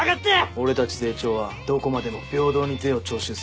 俺たちゼイチョーはどこまでも平等に税を徴収する。